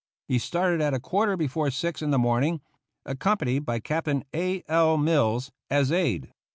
He started at a quarter before six in the morning, accompanied by Captain A. L. Mills, as aide.